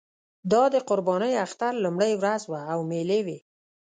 دا د قربانۍ اختر لومړۍ ورځ وه او مېلې وې.